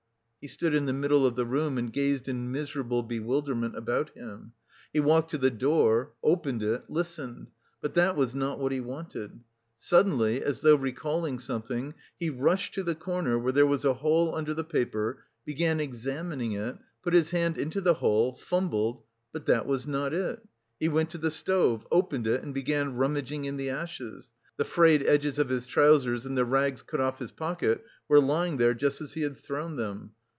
He stood in the middle of the room and gazed in miserable bewilderment about him; he walked to the door, opened it, listened; but that was not what he wanted. Suddenly, as though recalling something, he rushed to the corner where there was a hole under the paper, began examining it, put his hand into the hole, fumbled but that was not it. He went to the stove, opened it and began rummaging in the ashes; the frayed edges of his trousers and the rags cut off his pocket were lying there just as he had thrown them.